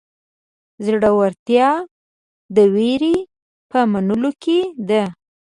زړهورتیا د وېرې په منلو کې ده.